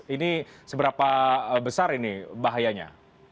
ini seberapa besar ini bahayanya